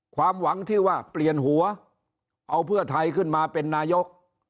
ความหวังที่ว่าเปลี่ยนหัวเอาเพื่อไทยขึ้นมาเป็นนายก